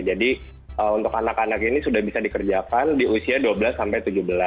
jadi untuk anak anak ini sudah bisa dikerjakan di usia dua belas sampai tujuh belas